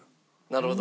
なるほど。